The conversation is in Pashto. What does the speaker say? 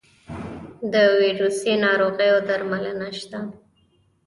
د ویروسي ناروغیو درملنه شته؟